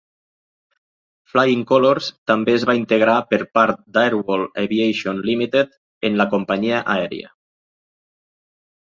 Flying Colors també es va integrar per part d'Airworld Aviation Limited en la companyia aèria.